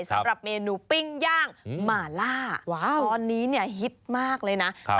สำหรับเมนูปิ้งย่างหมาล่าตอนนี้เนี่ยฮิตมากเลยนะ